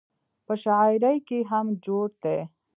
پۀ شاعرۍ کښې هم جوت دے -